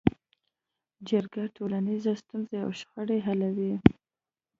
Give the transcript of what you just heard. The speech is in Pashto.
جرګه ټولنیزې ستونزې او شخړې حلوي